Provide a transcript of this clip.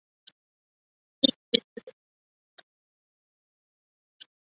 陆军大将军衔。